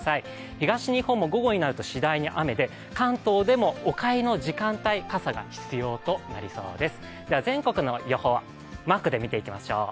東日本も午後になるとしだいに雨になって、関東でもお帰りの時間帯、傘が必要となりそうです。